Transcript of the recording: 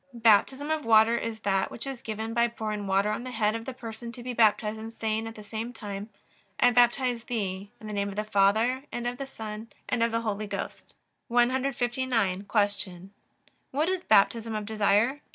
Baptism of water is that which is given by pouring water on the head of the person to be baptized, and saying at the same time: I baptize thee in the name of the Father, and of the Son, and of the Holy Ghost. 159. Q. What is Baptism of desire?